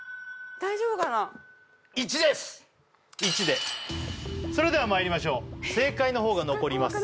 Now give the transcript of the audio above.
１でそれではまいりましょう正解の方が残ります